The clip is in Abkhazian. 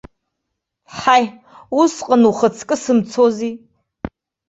Ҳаи, усҟан ухаҵкы сымцози!